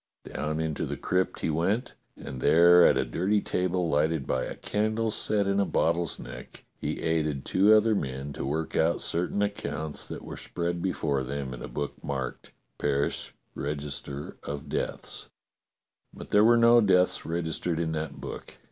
Down into the crypt he went, and there, at a dirty table lighted by a candle set in a bot tle's neck, he aided two other men to work out certain 222 DOCTOR SYN accounts that were spread before them in a book marked ''Parish Register of Deaths." But there were no deaths registered in that book.